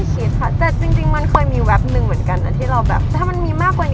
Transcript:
คิดจะไปอับอุ่มไหมคะ